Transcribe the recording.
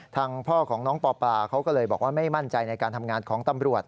ทางพ่อของน้องปอปลาเขาก็เลยบอกว่าไม่มั่นใจในการทำงานของตำรวจ